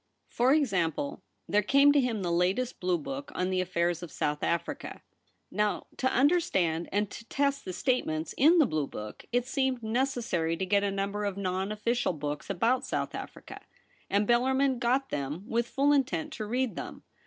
For example, there came to him the latest blue book on the affairs of South Africa. Now to understand and to test the statements in the blue book, it seemed necessary to get a number of non official books about South Africa ; and Bellarmin got them with full Intent to read them.